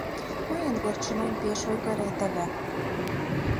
Мыйын верчынем пеш ойгырет ыле.